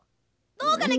「どうかね？